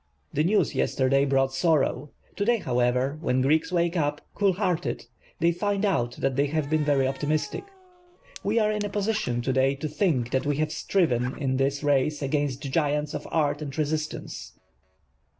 The news yesterday brought sorrow ; to day, however, when Greeks wake up, cool headed, they find out that they have been very optimistic. We ‚Ė†.\rc in a position, to day, to think that we have striven in this race against giants of art and resistance.